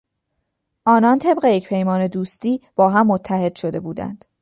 آنان طبق یک پیمان دوستی با هم متحد شده بودند.